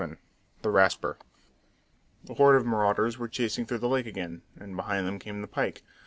VII: THE RASPER The horde of marauders were chasing through the lake again, and behind them came the pike.